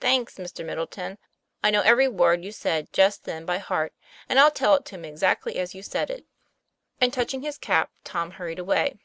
"Thanks, Mr. Middleton; I know every word you said just then by heart, and I'll tell it to him exactly as you said it." And touching his cap Tom hurried away.